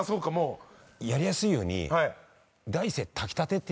やりやすいように。